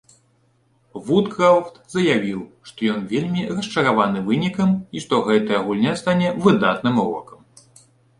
Вудкрафт заявіў, што ён вельмі расчараваны вынікам і што гэтая гульня стане выдатным урокам.